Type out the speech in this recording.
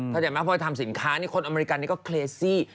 ถ้าเจ๋งมากพอไปทำสินค้าคนอเมริกานนี่ก็เครซี่